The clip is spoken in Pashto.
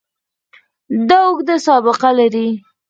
دا اوږده سابقه لري.